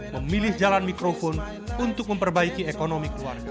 memilih jalan mikrofon untuk memperbaiki ekonomi keluarga